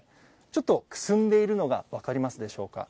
ちょっとくすんでいるのが分かりますでしょうか。